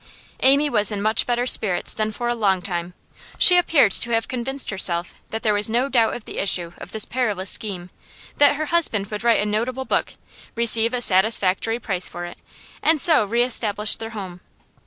Amy was in much better spirits than for a long time; she appeared to have convinced herself that there was no doubt of the issue of this perilous scheme; that her husband would write a notable book, receive a satisfactory price for it, and so re establish their home.